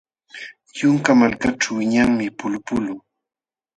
Yunka malakaćhu wiñanmi pulupulu.